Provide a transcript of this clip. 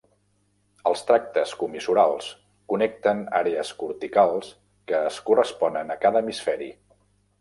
Els tractes comissurals connecten àrees corticals que es corresponen a cada hemisferi.